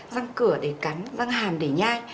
răng cửa để cắn răng hàm để nhai